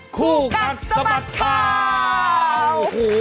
คู่กัดสะบัดข่าว